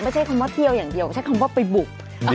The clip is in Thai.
ใช้คำว่าเที่ยวอย่างเดียวใช้คำว่าไปบุก